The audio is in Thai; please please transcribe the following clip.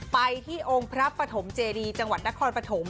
ไปที่องค์พระปฐมเจดีจังหวัดนครปฐม